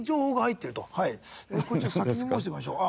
これちょっと先に申してみましょう。